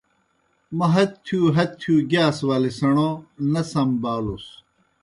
موْ ہت تِھیؤ ہت تِھیؤ گِیاس ولے سیْݨو نہ لمبالوْسُس۔